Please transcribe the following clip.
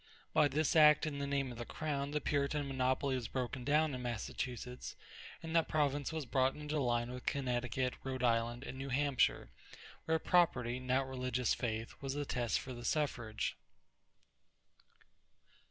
By this act in the name of the crown, the Puritan monopoly was broken down in Massachusetts, and that province was brought into line with Connecticut, Rhode Island, and New Hampshire, where property, not religious faith, was the test for the suffrage.